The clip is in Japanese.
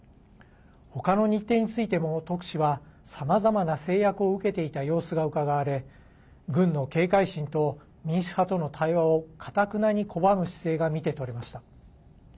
ほかの日程についても特使はさまざまな制約を受けていた様子がうかがわれ軍の警戒心と、民主派との対話をかたくなに拒む姿勢が見て取れました。